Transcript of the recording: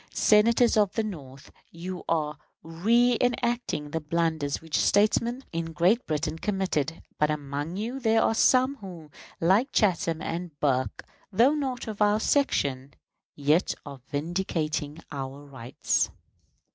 Senators of the North, you are reënacting the blunders which statesmen in Great Britain committed; but among you there are some who, like Chatham and Burke, though not of our section, yet are vindicating our rights.